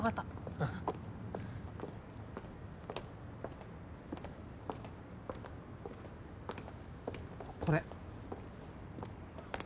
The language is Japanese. うん。これ。